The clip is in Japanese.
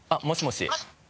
もしもし？